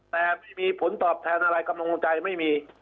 แต่มีผลตอบแทนอะไรกำลังใจไม่มี